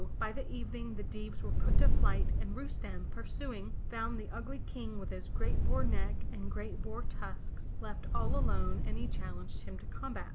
by the evening the Deevs were put to flight and Rustem, pursuing, found the ugly King with his great boar neck and great boar tusks, left all alone, and he challenged him to combat.